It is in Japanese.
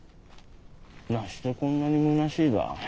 なしてこんなに虚しいだ？